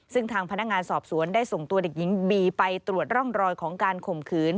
ซึ่งทางพนักงานสอบสวนได้ส่งตัวเด็กหญิงบีไปตรวจร่องรอยของการข่มขืน